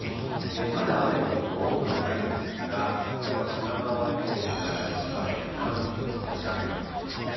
まだ雨の所多くはないんですが、例えば神奈川県から千葉県南部、少し雨が降っていますね。